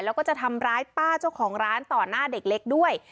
แล้วก็จะทำร้ายป้าเจ้าของร้านต่อหน้าเด็กเล็กด้วย